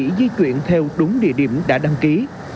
và phải di chuyển theo đúng địa điểm đã đăng ký